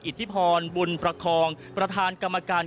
อิทธิพรบุญประคองประธานกรรมการ